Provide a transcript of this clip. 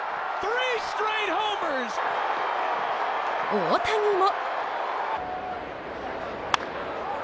大谷も。